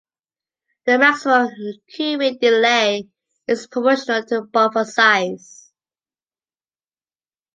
The maximum queuing delay is proportional to buffer size.